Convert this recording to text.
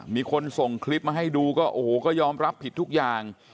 มีคนส่งคลิปมาให้ดูก็โอ้โหก็ยอมรับผิดทุกอย่าง